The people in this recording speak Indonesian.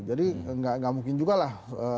jadi nggak mungkin juga lah